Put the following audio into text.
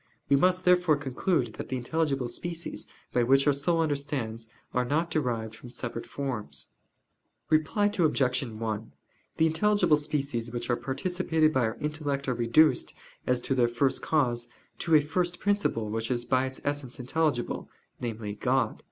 We must therefore conclude that the intelligible species, by which our soul understands, are not derived from separate forms. Reply Obj. 1: The intelligible species which are participated by our intellect are reduced, as to their first cause, to a first principle which is by its essence intelligible namely, God.